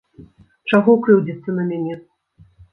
Чаго крыўдзіцца на мяне?